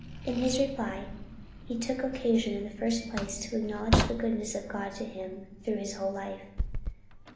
In his reply, he took occasion in the first place to acknowledge the goodness of God to him through his whole life.